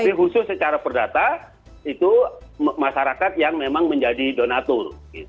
tapi khusus secara perdata itu masyarakat yang memang menjadi donatur